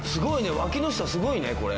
脇の下すごいねこれ。